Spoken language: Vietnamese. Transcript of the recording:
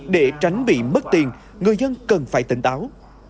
để tránh bị mất tiền người dân cần phải tỉnh táo